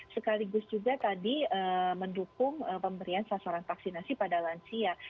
sekaligus juga tadi mendukung pemberian sasaran vaksinasi pada lansia